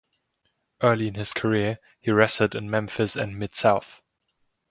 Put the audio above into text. Early in his career, he wrestled in Memphis and Mid-South.